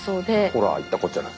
ほら言ったこっちゃない。